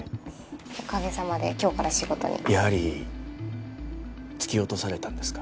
おかげさまで今日から仕事にやはり突き落とされたんですか？